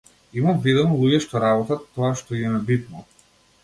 Имам видено луѓе што работат тоа што им е битно.